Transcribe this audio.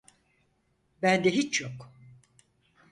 Bende hiç yok.